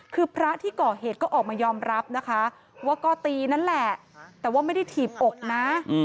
คือพระที่ก่อเหตุก็ออกมายอมรับนะคะว่าก็ตีนั่นแหละแต่ว่าไม่ได้ถีบอกนะ